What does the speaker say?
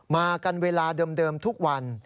มากันเวลาเดิมทุกวัน